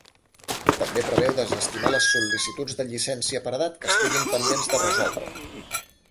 També preveu desestimar les sol·licituds de llicència per edat que estiguin pendents de resoldre.